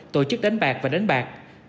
tổ chức đánh bạc và đánh bạc